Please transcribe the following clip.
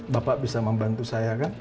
bapak bisa membantu saya kan